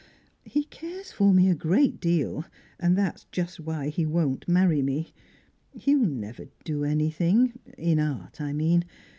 He cares for me a great deal; and that's just why he won't marry me. He'll never do anything in art, I mean.